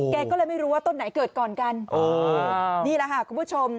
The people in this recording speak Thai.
แกก็เลยไม่รู้ว่าต้นไหนเกิดก่อนกันอ๋อนี่แหละค่ะคุณผู้ชม